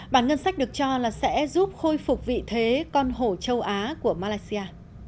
bản ngân sách được cho là sẽ giúp khôi phục vị thế con hổ châu á của malaysia